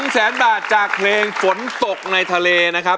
แสนบาทจากเพลงฝนตกในทะเลนะครับ